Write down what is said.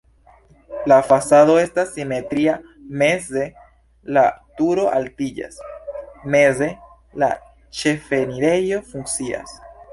La fasado estas simetria, meze la turo altiĝas, meze la ĉefenirejo funkcias.